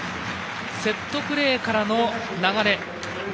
セットプレーからの流れ。